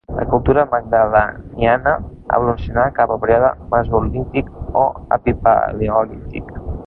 La cultura magdaleniana evolucionà cap al període mesolític o epipaleolític.